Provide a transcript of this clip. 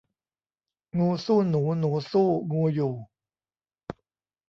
งูสู้หนูหนูสู้ งูอยู่